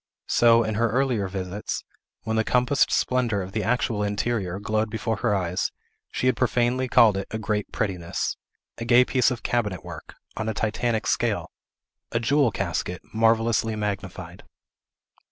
So, in her earlier visits, when the compassed splendor Of the actual interior glowed before her eyes, she had profanely called it a great prettiness; a gay piece of cabinet work, on a Titanic scale; a jewel casket, marvellously magnified.